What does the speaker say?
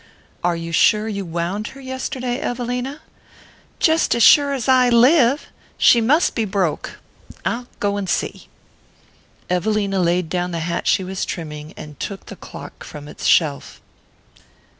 "Are you sure you wound her yesterday, Evelina?" "Jest as sure as I live. She must be broke. I'll go and see." Evelina laid down the hat she was trimming, and took the clock from its shelf.